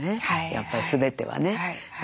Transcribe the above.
やっぱり全てはね。